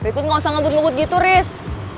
berikut gak usah ngebut ngebut gitu riz